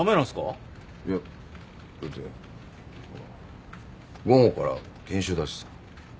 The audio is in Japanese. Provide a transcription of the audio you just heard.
いやだってほら午後から研修だしさ。